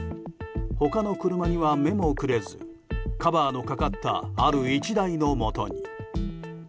他の車には目もくれずカバーのかかったある１台のもとに。